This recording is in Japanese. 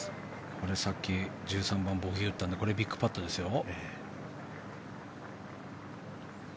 さっき１３番、ボギーを打ったのでこれはビッグパットですよ。